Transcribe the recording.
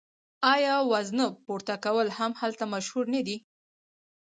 آیا وزنه پورته کول هم هلته مشهور نه دي؟